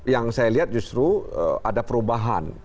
yang saya lihat justru ada perubahan